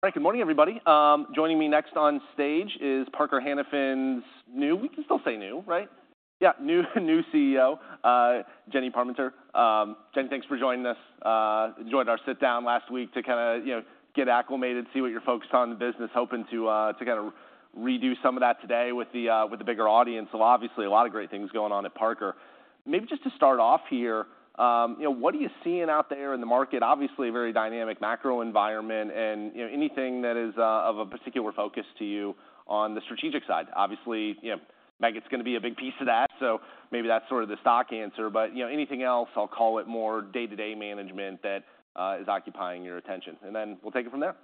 All right, good morning, everybody. Joining me next on stage is Parker Hannifin's new—we can still say new, right? Yeah, new CEO, Jenny Parmentier. Jenny, thanks for joining us. Enjoyed our sit down last week to kind of, you know, get acclimated, see what you're focused on in the business, hoping to kind of redo some of that today with the bigger audience. So obviously, a lot of great things going on at Parker. Maybe just to start off here, you know, what are you seeing out there in the market? Obviously, a very dynamic macro environment and, you know, anything that is of a particular focus to you on the strategic side. Obviously, you know, Meggitt, it's gonna be a big piece of that, so maybe that's sort of the stock answer, but, you know, anything else, I'll call it more day-to-day management that is occupying your attention, and then we'll take it from there.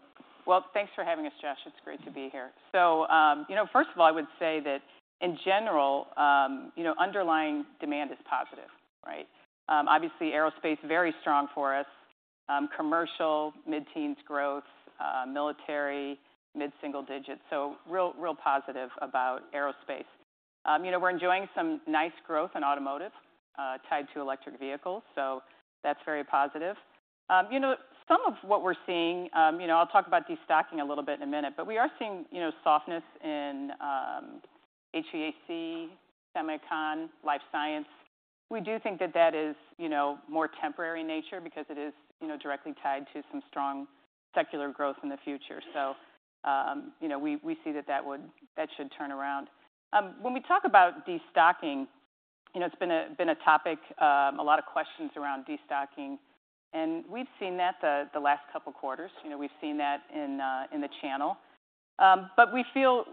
Well, thanks for having us, Josh. It's great to be here. So, you know, first of all, I would say that in general, you know, underlying demand is positive, right? Obviously, aerospace, very strong for us. Commercial, mid-teens growth, military, mid-single digits, so real, real positive about aerospace. You know, we're enjoying some nice growth in automotive, tied to electric vehicles, so that's very positive. You know, some of what we're seeing, you know, I'll talk about destocking a little bit in a minute, but we are seeing, you know, softness in, HVAC, Semicon, life science. We do think that that is, you know, more temporary in nature because it is, you know, directly tied to some strong secular growth in the future. So, you know, we, we see that that should turn around. When we talk about destocking, you know, it's been a topic, a lot of questions around destocking, and we've seen that the last couple quarters. You know, we've seen that in the channel. But we feel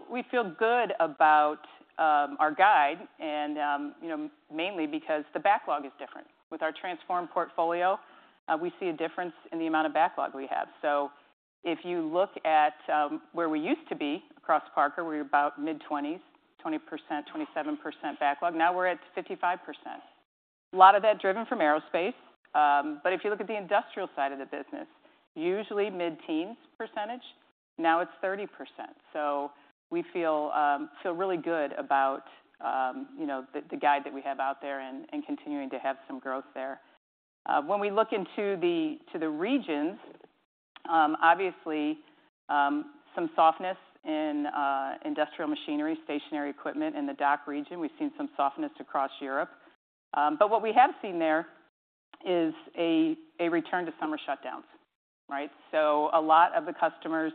good about our guide and, you know, mainly because the backlog is different. With our transformed portfolio, we see a difference in the amount of backlog we have. So if you look at where we used to be across Parker, we're about mid-twenties, 20%, 27% backlog. Now we're at 55%. A lot of that driven from aerospace, but if you look at the industrial side of the business, usually mid-teens %, now it's 30%. So we feel really good about, you know, the guide that we have out there and continuing to have some growth there. When we look into the regions, obviously, some softness in industrial machinery, stationary equipment in the DACH region. We've seen some softness across Europe. But what we have seen there is a return to summer shutdowns, right? So a lot of the customers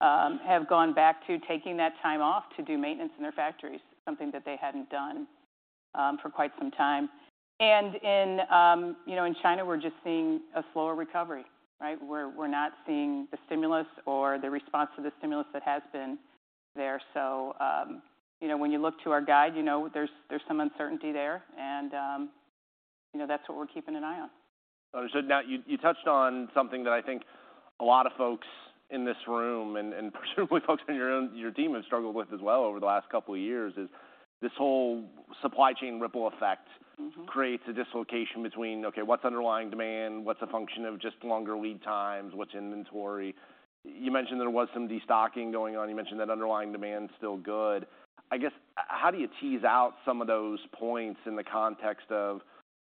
have gone back to taking that time off to do maintenance in their factories, something that they hadn't done for quite some time. And in, you know, in China, we're just seeing a slower recovery, right? We're not seeing the stimulus or the response to the stimulus that has been there. So, you know, when you look to our guide, you know, there's some uncertainty there, and, you know, that's what we're keeping an eye on. Understood. Now, you touched on something that I think a lot of folks in this room and presumably folks on your team have struggled with as well over the last couple of years, is this whole supply chain ripple effect- Mm-hmm... creates a dislocation between, okay, what's underlying demand, what's a function of just longer lead times, what's inventory? You mentioned there was some destocking going on. You mentioned that underlying demand's still good. I guess, how do you tease out some of those points in the context of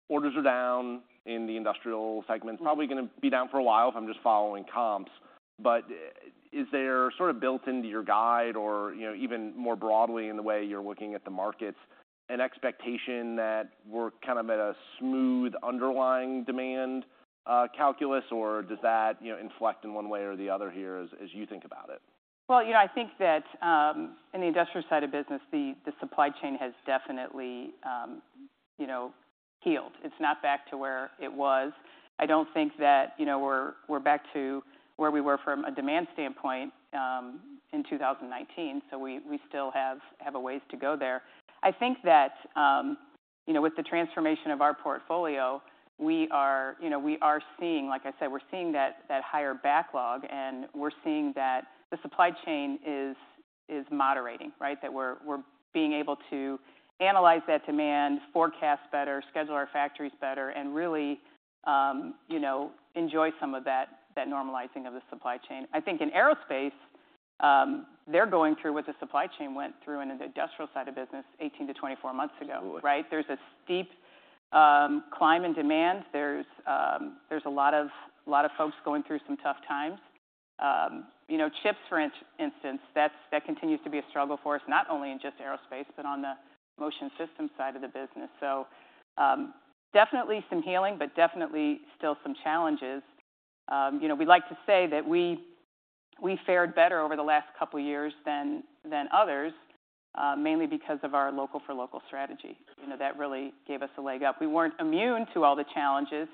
orders are down in the industrial segment? It's probably gonna be down for a while if I'm just following comps. But is there sort of built into your guide or, you know, even more broadly in the way you're looking at the markets, an expectation that we're kind of at a smooth underlying demand, uh, calculus, or does that, you know, inflect in one way or the other here as you think about it? Well, you know, I think that, in the industrial side of business, the supply chain has definitely, you know, healed. It's not back to where it was. I don't think that, you know, we're back to where we were from a demand standpoint, in 2019, so we still have a ways to go there. I think that, you know, with the transformation of our portfolio, we are, you know, seeing... Like I said, we're seeing that higher backlog, and we're seeing that the supply chain is moderating, right? That we're being able to analyze that demand, forecast better, schedule our factories better, and really, you know, enjoy some of that normalizing of the supply chain. I think in aerospace, they're going through what the supply chain went through in the industrial side of business 18-24 months ago. Sure. Right? There's a steep climb in demand. There's a lot of folks going through some tough times. You know, chips, for instance, that continues to be a struggle for us, not only in just aerospace, but on the motion system side of the business. So, definitely some healing, but definitely still some challenges. You know, we like to say that we fared better over the last couple of years than others, mainly because of our Local for Local strategy. You know, that really gave us a leg up. We weren't immune to all the challenges,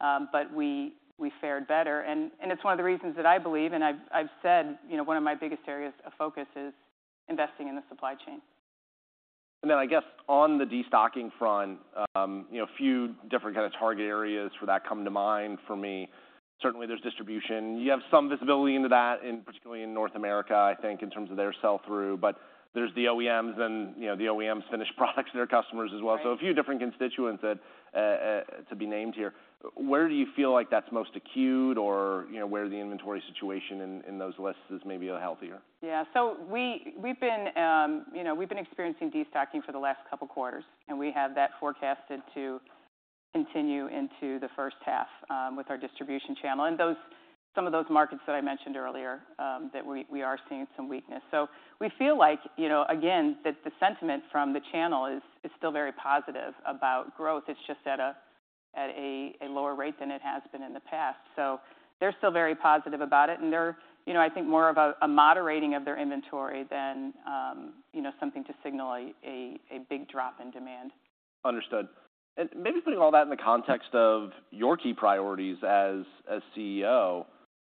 but we fared better. It's one of the reasons that I believe, and I've said, you know, one of my biggest areas of focus is investing in the supply chain. And then, I guess, on the destocking front, you know, a few different kind of target areas for that come to mind for me. Certainly, there's distribution. You have some visibility into that, in particular, in North America, I think, in terms of their sell-through, but there's the OEMs and, you know, the OEMs' finished products, their customers as well. Right. So a few different constituents that to be named here. Where do you feel like that's most acute or, you know, where the inventory situation in those lists is maybe healthier? Yeah. So we, we've been, you know, we've been experiencing destocking for the last couple quarters, and we have that forecasted to continue into the first half, with our distribution channel and those, some of those markets that I mentioned earlier, that we are seeing some weakness. So we feel like, you know, again, that the sentiment from the channel is still very positive about growth. It's just at a lower rate than it has been in the past. So they're still very positive about it, and they're, you know, I think more of a moderating of their inventory than, you know, something to signal a big drop in demand. Understood. And maybe putting all that in the context of your key priorities as CEO,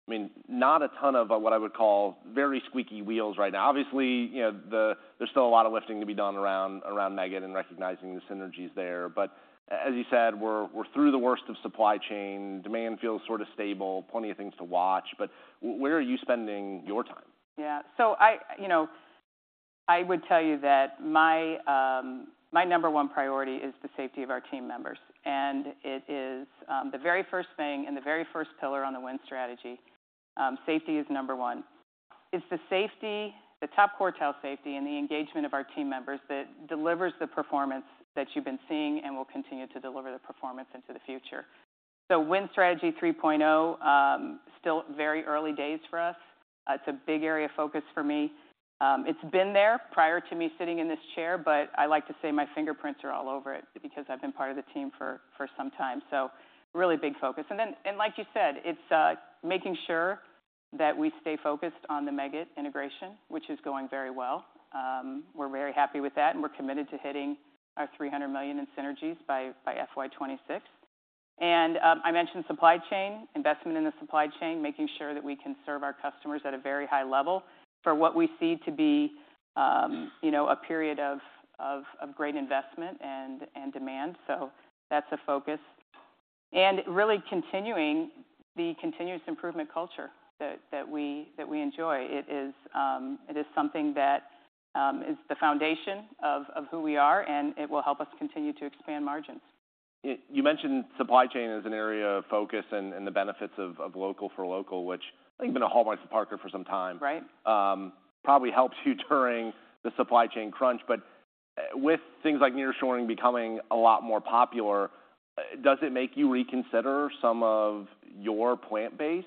I mean, not a ton of what I would call very squeaky wheels right now. Obviously, you know, there's still a lot of lifting to be done around Meggitt and recognizing the synergies there. But as you said, we're through the worst of supply chain. Demand feels sort of stable, plenty of things to watch, but where are you spending your time? Yeah. So I, you know, I would tell you that my, my number one priority is the safety of our team members, and it is the very first thing and the very first pillar on the Win Strategy. Safety is number one. It's the safety, the top quartile safety, and the engagement of our team members that delivers the performance that you've been seeing and will continue to deliver the performance into the future. So Win Strategy 3.0, still very early days for us. It's a big area of focus for me. It's been there prior to me sitting in this chair, but I like to say my fingerprints are all over it because I've been part of the team for, for some time, so really big focus. And then, like you said, it's making sure that we stay focused on the Meggitt integration, which is going very well. We're very happy with that, and we're committed to hitting our $300 million in synergies by FY 2026. I mentioned supply chain, investment in the supply chain, making sure that we can serve our customers at a very high level for what we see to be, you know, a period of great investment and demand. So that's a focus. And really continuing the continuous improvement culture that we enjoy. It is something that is the foundation of who we are, and it will help us continue to expand margins. You mentioned supply chain as an area of focus and the benefits of Local for Local, which I think has been a hallmark of Parker for some time. Right. Probably helped you during the supply chain crunch, but with things like nearshoring becoming a lot more popular, does it make you reconsider some of your plant base?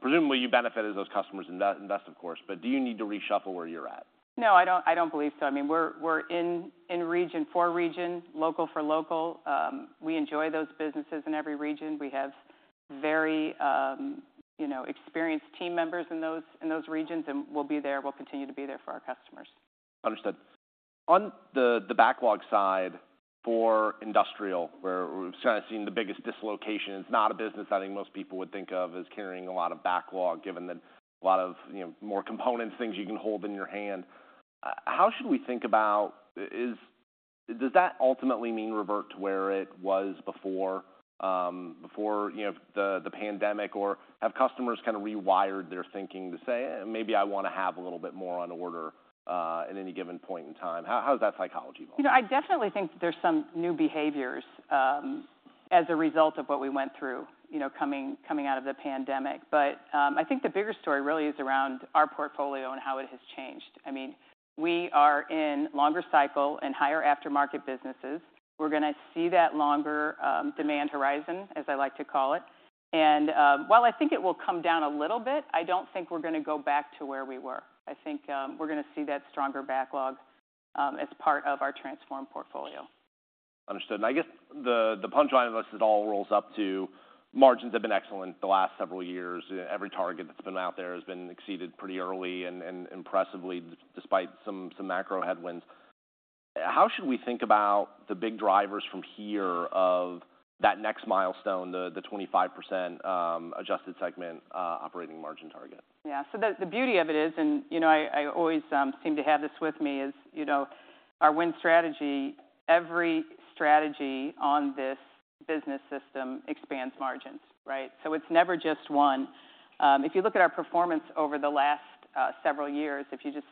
Presumably, you benefited those customers invest, invest, of course, but do you need to reshuffle where you're at? No, I don't, I don't believe so. I mean, we're in region for region, Local for Local. We enjoy those businesses in every region. We have very, you know, experienced team members in those regions, and we'll be there. We'll continue to be there for our customers. Understood. On the backlog side for industrial, where we've kind of seen the biggest dislocation, it's not a business I think most people would think of as carrying a lot of backlog, given that a lot of, you know, more components, things you can hold in your hand. How should we think about... Does that ultimately mean revert to where it was before, you know, the pandemic, or have customers kind of rewired their thinking to say, "Maybe I want to have a little bit more on order at any given point in time?" How is that psychology going? You know, I definitely think there's some new behaviors as a result of what we went through, you know, coming out of the pandemic. But I think the bigger story really is around our portfolio and how it has changed. I mean, we are in longer cycle and higher aftermarket businesses. We're gonna see that longer demand horizon, as I like to call it. And while I think it will come down a little bit, I don't think we're gonna go back to where we were. I think we're gonna see that stronger backlog as part of our transformed portfolio. Understood. And I guess the punchline of this, it all rolls up to margins have been excellent the last several years. Every target that's been out there has been exceeded pretty early and impressively, despite some macro headwinds. How should we think about the big drivers from here of that next milestone, the 25% adjusted segment operating margin target? Yeah. So the beauty of it is, and you know, I always seem to have this with me, is you know, our Win Strategy, every strategy on this business system expands margins, right? So it's never just one. If you look at our performance over the last several years, if you just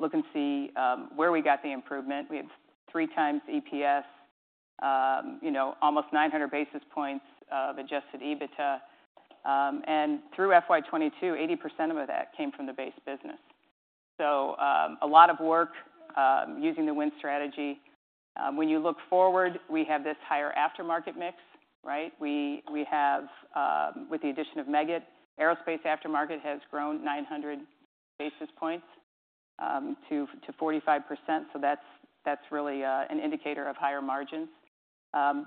look and see where we got the improvement, we have 3 times EPS, you know, almost 900 basis points of adjusted EBITDA. And through FY 2022, 80% of that came from the base business. So a lot of work using the Win Strategy. When you look forward, we have this higher aftermarket mix, right? We have with the addition of Meggitt, Aerospace Aftermarket has grown 900 basis points to 45%, so that's really an indicator of higher margins.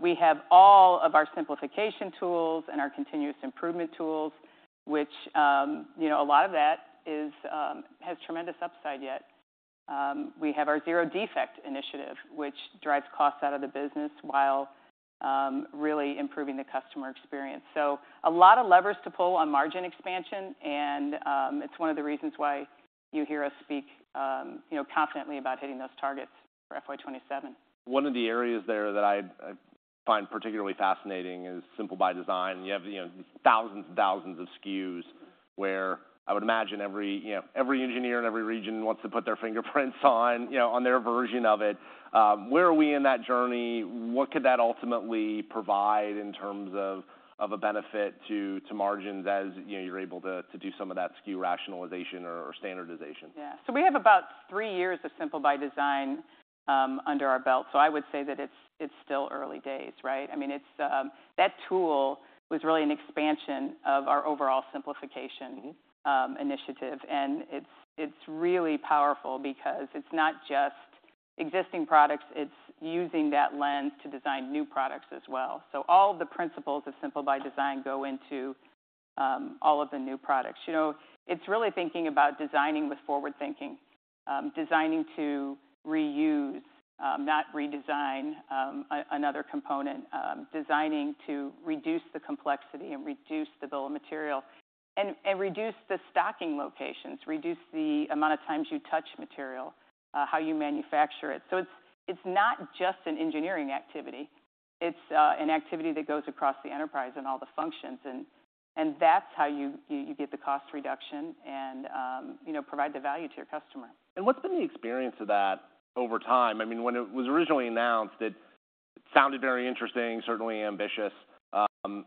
We have all of our simplification tools and our continuous improvement tools, which, you know, a lot of that has tremendous upside yet. We have our Zero Defect initiative, which drives costs out of the business while really improving the customer experience. So a lot of levers to pull on margin expansion, and it's one of the reasons why you hear us speak, you know, confidently about hitting those targets for FY 2027. One of the areas there that I find particularly fascinating is Simple by Design. You have, you know, thousands and thousands of SKUs where I would imagine every, you know, every engineer in every region wants to put their fingerprints on, you know, on their version of it. Where are we in that journey? What could that ultimately provide in terms of a benefit to margins as, you know, you're able to do some of that SKU rationalization or standardization? Yeah. So we have about three years of Simple by Design under our belt. So I would say that it's still early days, right? I mean, that tool was really an expansion of our overall simplification initiative, and it's really powerful because it's not just existing products, it's using that lens to design new products as well. So all the principles of Simple by Design go into all of the new products. You know, it's really thinking about designing with forward thinking, designing to reuse, not redesign, another component, designing to reduce the complexity and reduce the bill of material, and reduce the stocking locations, reduce the amount of times you touch material, how you manufacture it. It's not just an engineering activity. It's an activity that goes across the enterprise and all the functions, and that's how you get the cost reduction and, you know, provide the value to your customer. What's been the experience of that over time? I mean, when it was originally announced, it sounded very interesting, certainly ambitious.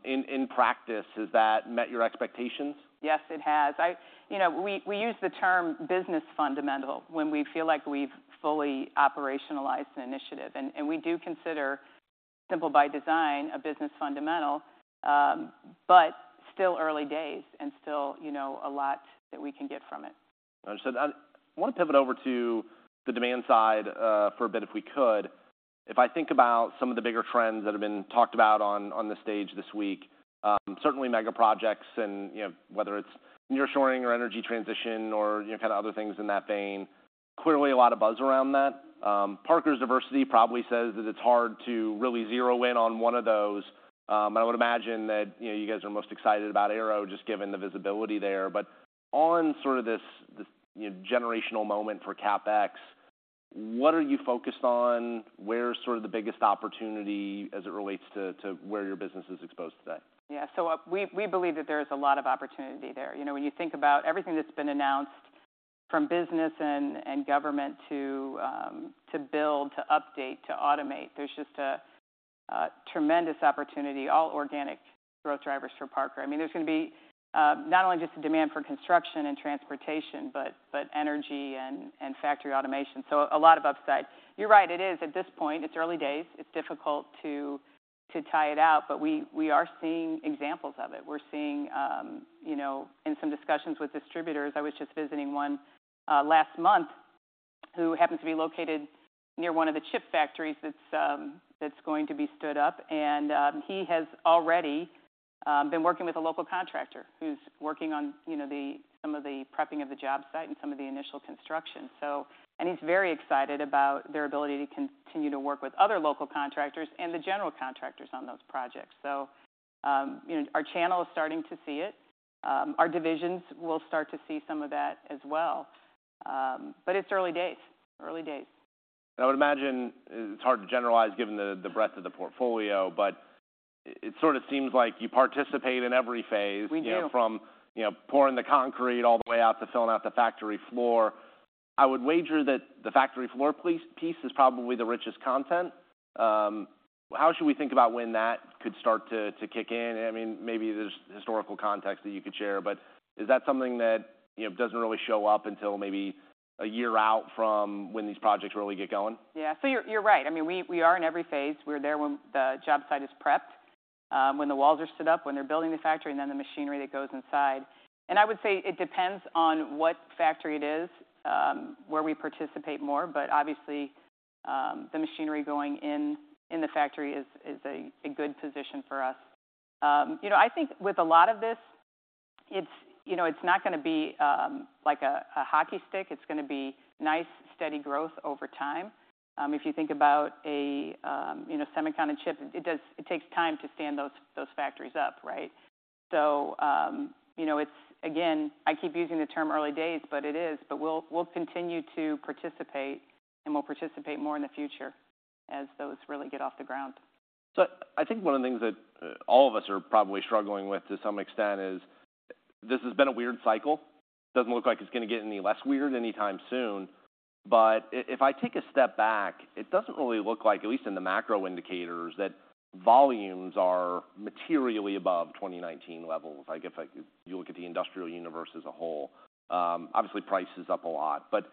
In practice, has that met your expectations? Yes, it has. You know, we use the term business fundamental when we feel like we've fully operationalized an initiative, and we do consider Simple by Design a business fundamental, but still early days and still, you know, a lot that we can get from it. Understood. I wanna pivot over to the demand side for a bit, if we could. If I think about some of the bigger trends that have been talked about on the stage this week, certainly mega projects and, you know, whether it's nearshoring or energy transition or, you know, kind of other things in that vein, clearly a lot of buzz around that. Parker's diversity probably says that it's hard to really zero in on one of those. I would imagine that, you know, you guys are most excited about Aero, just given the visibility there. But on sort of this generational moment for CapEx, what are you focused on? Where's sort of the biggest opportunity as it relates to where your business is exposed today? Yeah. So we believe that there is a lot of opportunity there. You know, when you think about everything that's been announced from business and government to build, to update, to automate, there's just a tremendous opportunity, all organic growth drivers for Parker. I mean, there's gonna be not only just a demand for construction and transportation, but energy and factory automation. So a lot of upside. You're right, it is at this point, it's early days, it's difficult to tie it out, but we are seeing examples of it. We're seeing, you know, in some discussions with distributors, I was just visiting one, last month who happens to be located near one of the chip factories that's, that's going to be stood up, and, he has already, been working with a local contractor who's working on, you know, some of the prepping of the job site and some of the initial construction. So. And he's very excited about their ability to continue to work with other local contractors and the general contractors on those projects. So, you know, our channel is starting to see it. Our divisions will start to see some of that as well. But it's early days. Early days. I would imagine it's hard to generalize, given the breadth of the portfolio, but it sort of seems like you participate in every phase- We do... from, you know, pouring the concrete all the way out to filling out the factory floor. I would wager that the factory floor piece is probably the richest content. How should we think about when that could start to kick in? I mean, maybe there's historical context that you could share, but is that something that, you know, doesn't really show up until maybe a year out from when these projects really get going? Yeah. So you're right. I mean, we are in every phase. We're there when the job site is prepped, when the walls are stood up, when they're building the factory, and then the machinery that goes inside. And I would say it depends on what factory it is, where we participate more, but obviously, the machinery going in the factory is a good position for us. You know, I think with a lot of this, it's, you know, it's not gonna be, like a hockey stick. It's gonna be nice, steady growth over time. If you think about a you know semiconductor chip, it takes time to stand those factories up, right? So, you know, it's, again, I keep using the term early days, but it is. But we'll continue to participate, and we'll participate more in the future as those really get off the ground. So I think one of the things that, all of us are probably struggling with to some extent is, this has been a weird cycle. Doesn't look like it's gonna get any less weird anytime soon. But if I take a step back, it doesn't really look like, at least in the macro indicators, that volumes are materially above 2019 levels. Like, if you look at the industrial universe as a whole, obviously, price is up a lot. But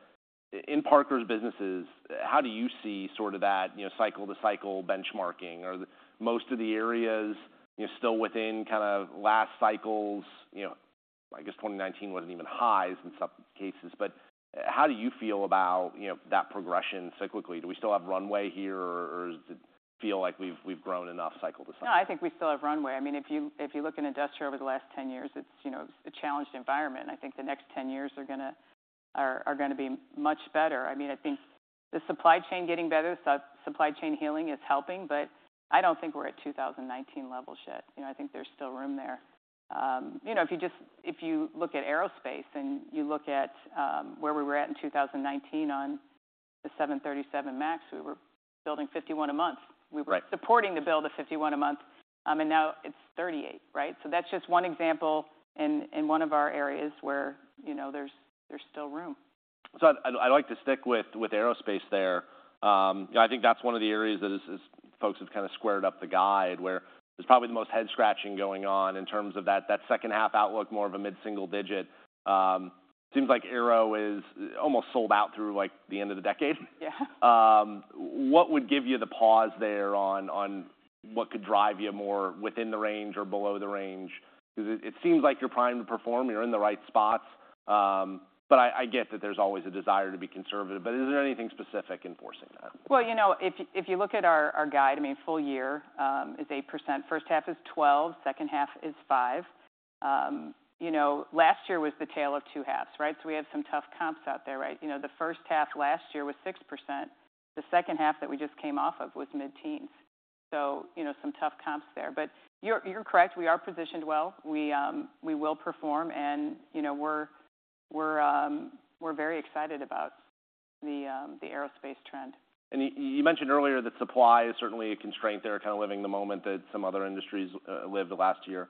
in Parker's businesses, how do you see sort of that, you know, cycle-to-cycle benchmarking? Are most of the areas, you know, still within kind of last cycles, you know—I guess 2019 wasn't even highs in some cases, but how do you feel about, you know, that progression cyclically? Do we still have runway here, or does it feel like we've grown enough cycle to cycle? No, I think we still have runway. I mean, if you look in industrial over the last 10 years, it's, you know, it's a challenged environment. I think the next 10 years are gonna be much better. I mean, I think the supply chain getting better, so supply chain healing is helping, but I don't think we're at 2019 levels yet. You know, I think there's still room there. You know, if you just look at aerospace, and you look at where we were at in 2019 on the 737 MAX, we were building 51 a month. Right. We were supporting to build a 51 a month, and now it's 38, right? So that's just one example in one of our areas where, you know, there's still room.... So I'd like to stick with aerospace there. I think that's one of the areas that folks have kind of squared up the guide, where there's probably the most head-scratching going on in terms of that second half outlook, more of a mid-single digit. Seems like Aero is almost sold out through, like, the end of the decade. Yeah. What would give you the pause there on what could drive you more within the range or below the range? 'Cause it seems like you're primed to perform, you're in the right spots, but I get that there's always a desire to be conservative. But is there anything specific in forcing that? Well, you know, if you look at our guide, I mean, full year is 8%. First half is 12%, second half is 5%. You know, last year was the tale of two halves, right? So we had some tough comps out there, right? You know, the first half last year was 6%. The second half that we just came off of was mid-teens. So, you know, some tough comps there. But you're correct, we are positioned well. We will perform and, you know, we're very excited about the aerospace trend. And you, you mentioned earlier that supply is certainly a constraint there, kind of living the moment that some other industries lived last year.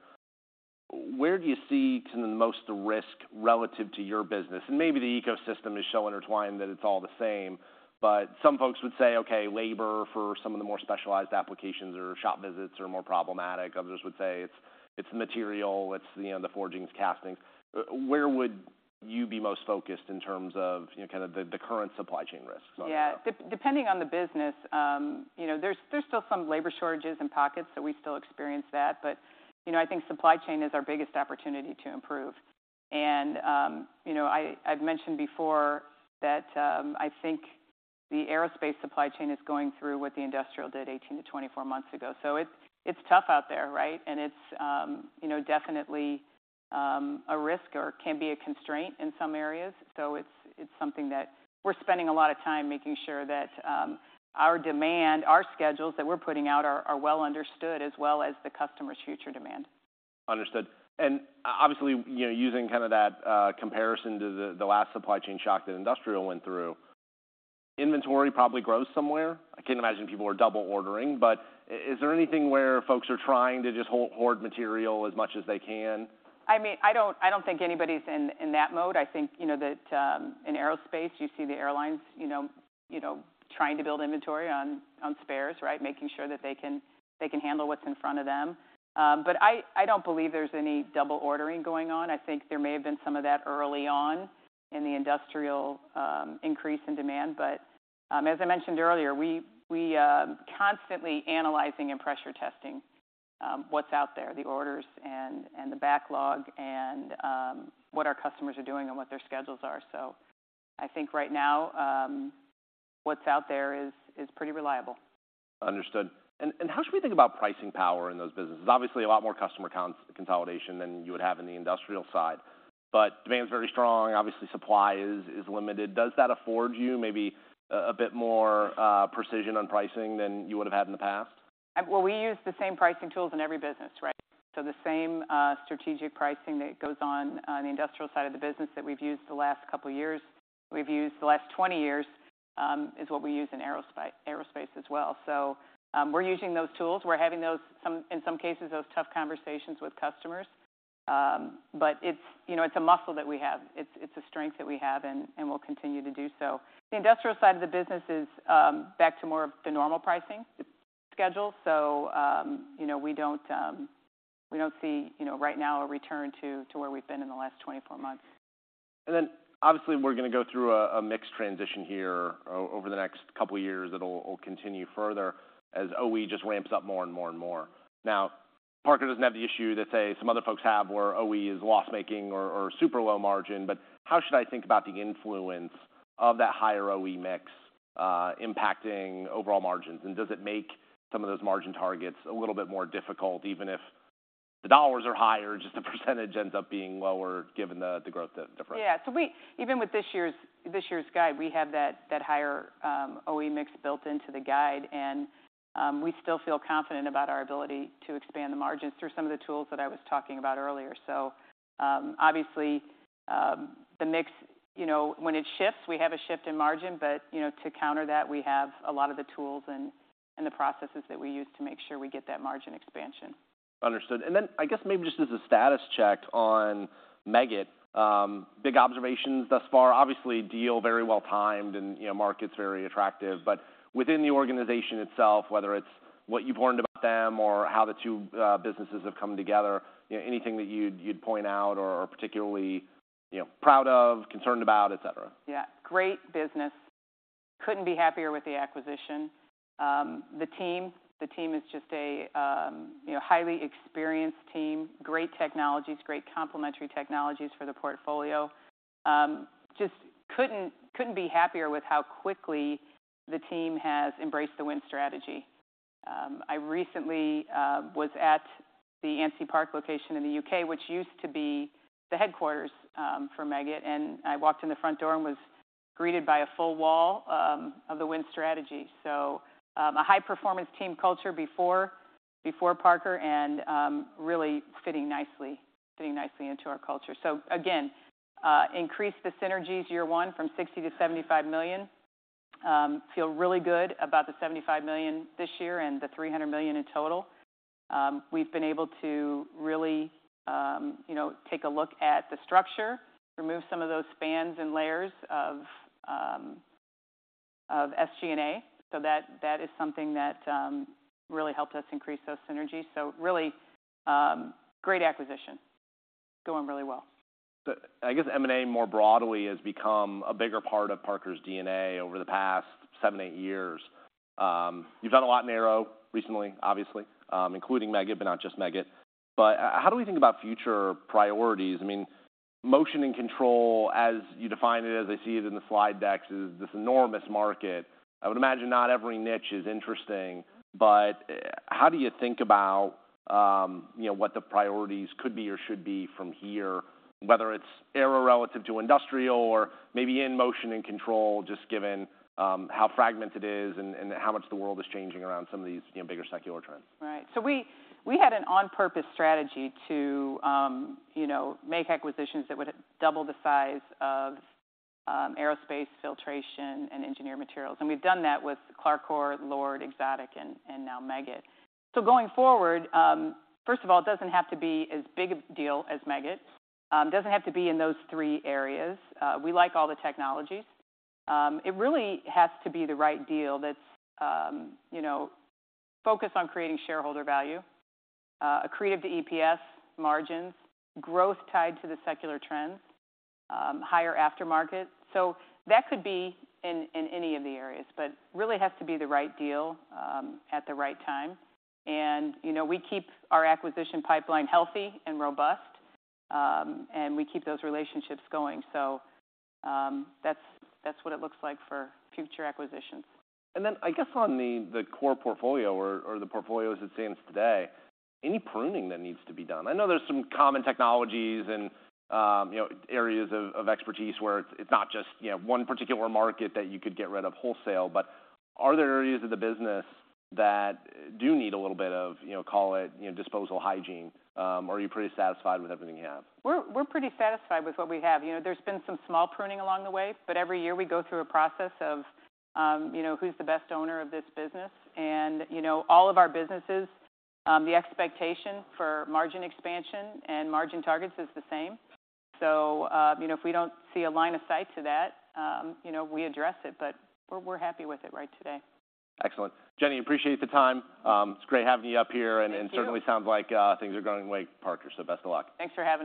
Where do you see kind of the most risk relative to your business? And maybe the ecosystem is so intertwined that it's all the same, but some folks would say, "Okay, labor for some of the more specialized applications or shop visits are more problematic." Others would say, "It's material, it's, you know, the forgings, castings." Where would you be most focused in terms of, you know, kind of the current supply chain risks going on? Yeah. Depending on the business, you know, there's still some labor shortages in pockets, so we still experience that. But, you know, I think supply chain is our biggest opportunity to improve. And, you know, I've mentioned before that, I think the aerospace supply chain is going through what the industrial did 18-24 months ago. So it's tough out there, right? And it's, you know, definitely a risk or can be a constraint in some areas. So it's something that we're spending a lot of time making sure that our demand, our schedules that we're putting out are well understood, as well as the customer's future demand. Understood. And obviously, you know, using kind of that comparison to the last supply chain shock that industrial went through, inventory probably grows somewhere. I can't imagine people are double ordering, but is there anything where folks are trying to just hoard material as much as they can? I mean, I don't, I don't think anybody's in, in that mode. I think, you know, that, in aerospace, you see the airlines, you know, you know, trying to build inventory on, on spares, right? Making sure that they can, they can handle what's in front of them. But I, I don't believe there's any double ordering going on. I think there may have been some of that early on in the industrial, increase in demand, but, as I mentioned earlier, we, we, constantly analyzing and pressure testing, what's out there, the orders and, and the backlog, and, what our customers are doing and what their schedules are. So I think right now, what's out there is, is pretty reliable. Understood. And how should we think about pricing power in those businesses? Obviously, a lot more customer consolidation than you would have in the industrial side, but demand's very strong. Obviously, supply is limited. Does that afford you maybe a bit more precision on pricing than you would have had in the past? Well, we use the same pricing tools in every business, right? So the same, strategic pricing that goes on, on the industrial side of the business that we've used the last couple of years, we've used the last 20 years, is what we use in aerospace as well. So, we're using those tools. We're having those, in some cases, those tough conversations with customers. But it's, you know, it's a muscle that we have. It's a strength that we have, and we'll continue to do so. The industrial side of the business is back to more of the normal pricing schedule. So, you know, we don't, we don't see, you know, right now, a return to where we've been in the last 24 months. And then, obviously, we're gonna go through a mixed transition here over the next couple of years. It'll continue further as OE just ramps up more and more and more. Now, Parker doesn't have the issue that, say, some other folks have, where OE is loss-making or super low margin, but how should I think about the influence of that higher OE mix impacting overall margins? And does it make some of those margin targets a little bit more difficult, even if the dollars are higher, just the percentage ends up being lower, given the growth difference? Yeah. So even with this year's guide, we have that higher OE mix built into the guide, and we still feel confident about our ability to expand the margins through some of the tools that I was talking about earlier. So obviously, the mix, you know, when it shifts, we have a shift in margin, but you know, to counter that, we have a lot of the tools and the processes that we use to make sure we get that margin expansion. Understood. And then, I guess, maybe just as a status check on Meggitt, big observations thus far, obviously, deal very well timed, and, you know, market's very attractive. But within the organization itself, whether it's what you've learned about them or how the two businesses have come together, you know, anything that you'd point out or particularly, you know, proud of, concerned about, et cetera? Yeah. Great business. Couldn't be happier with the acquisition. The team, the team is just a you know, highly experienced team, great technologies, great complementary technologies for the portfolio. Just couldn't, couldn't be happier with how quickly the team has embraced the Win Strategy. I recently was at the Ansty Park location in the U.K., which used to be the headquarters for Meggitt, and I walked in the front door and was greeted by a full wall of the Win Strategy. So, a high-performance team culture before, before Parker and, really fitting nicely, fitting nicely into our culture. So again, increase the synergies year one from $60 million-$75 million. Feel really good about the $75 million this year and the $300 million in total. We've been able to really, you know, take a look at the structure, remove some of those spans and layers of, of SG&A. So that, that is something that, really helped us increase those synergies. So really, great acquisition. Going really well. So I guess M&A, more broadly, has become a bigger part of Parker's DNA over the past 7, 8 years. You've done a lot in aero recently, obviously, including Meggitt, but not just Meggitt. But how do we think about future priorities? I mean, motion and control, as you define it, as I see it in the slide decks, is this enormous market. I would imagine not every niche is interesting, but how do you think about, you know, what the priorities could be or should be from here, whether it's aero relative to industrial or maybe in motion and control, just given how fragmented it is and, and how much the world is changing around some of these, you know, bigger secular trends? Right. So we had an on-purpose strategy to, you know, make acquisitions that would double the size of, aerospace, filtration, and engineered materials. And we've done that with Clarcor, LORD, Exotic, and now Meggitt. So going forward, first of all, it doesn't have to be as big a deal as Meggitt. It doesn't have to be in those three areas. We like all the technologies. It really has to be the right deal that's, you know, focused on creating shareholder value, accretive to EPS margins, growth tied to the secular trends, higher aftermarket. So that could be in any of the areas, but really has to be the right deal at the right time. And, you know, we keep our acquisition pipeline healthy and robust, and we keep those relationships going. That's what it looks like for future acquisitions. And then, I guess, on the core portfolio or the portfolio as it stands today, any pruning that needs to be done? I know there's some common technologies and, you know, areas of expertise where it's not just, you know, one particular market that you could get rid of wholesale, but are there areas of the business that do need a little bit of, you know, call it, you know, disposal hygiene, or are you pretty satisfied with everything you have? We're pretty satisfied with what we have. You know, there's been some small pruning along the way, but every year we go through a process of, you know, who's the best owner of this business? And, you know, all of our businesses, the expectation for margin expansion and margin targets is the same. So, you know, if we don't see a line of sight to that, you know, we address it, but we're happy with it right today. Excellent. Jenny, appreciate the time. It's great having you up here. Thank you. It certainly sounds like things are going great with Parker, so best of luck. Thanks for having me.